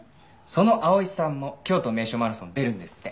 その碧さんも京都名所マラソン出るんですって。